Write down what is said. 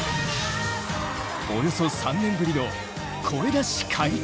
およそ３年ぶりの声出し解禁。